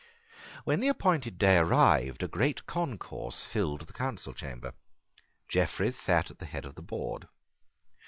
When the appointed day arrived, a great concourse filled the Council chamber. Jeffreys sate at the head of the board.